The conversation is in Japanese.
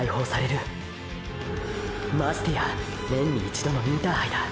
ましてや年に一度のインターハイだ。